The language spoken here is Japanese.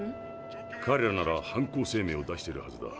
彼らなら犯行声明を出しているはずだ。